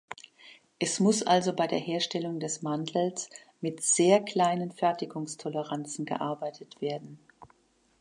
Es muss also bei der Herstellung des Mantels mit sehr kleinen Fertigungstoleranzen gearbeitet werden.